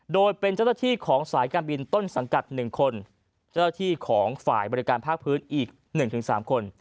โดยเป็นเจ้าหน้าที่ของสายการบินต้นสังกัด๑คนเจ้าหน้าที่ของฝ่ายบริการภาคพื้นอีก๑๓คน